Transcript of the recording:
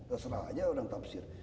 terserah aja orang tafsir